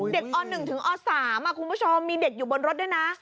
อ๑ถึงอ๓คุณผู้ชมมีเด็กอยู่บนรถด้วยนะ